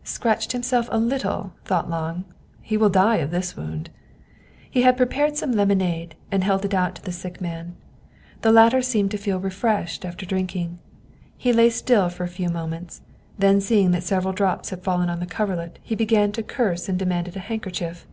" Scratched himself a little ?" thought Lange. " He will die of this wound." He had prepared some lemonade, and held it out to the sick man. The latter seemed to feel refreshed after drink ing. He lay still for a few moments ; then, seeing that sev eral drops had fallen on the coverlet, he began to curse 124 Wilhclm Hauff and demanded a handkerchief.